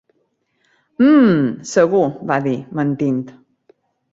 Um... segur, va dir, mentint.